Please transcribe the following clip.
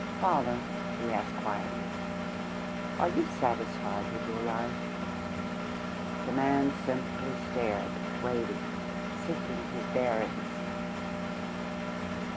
"Father," he asked quietly, "are you satisfied with your life?" The man simply stared waiting, seeking his bearings.